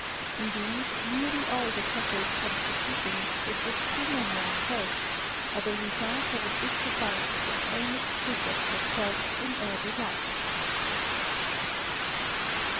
Indeed, nearly all the shattered constitutions with which too many are cursed, are the result of a disregard to the plainest precepts of health in early life.